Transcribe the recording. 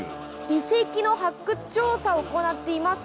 遺跡の発掘調査を行っています。